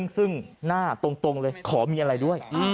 ซึ่งหน้าตรงเลยขอมีอะไรด้วย